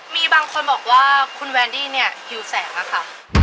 มีบางคนบอกว่าคุณแวนดี้เนี่ยหิวแสงอะค่ะ